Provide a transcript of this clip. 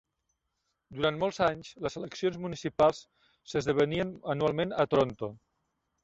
Durant molts anys, les eleccions municipals s'esdevenien anualment a Toronto.